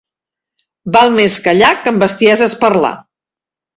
Val més callar que amb bèsties parlar.